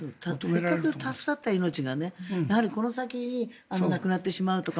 せっかく助かった命がこの先亡くなってしまうとか。